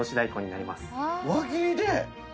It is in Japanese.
輪切りで？